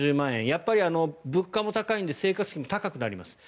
やっぱり物価も高いので生活費も高くなります。